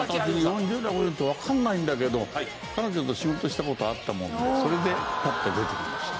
４０代俺ちょっとわかんないんだけど彼女と仕事した事あったものでそれでパッて出てきました。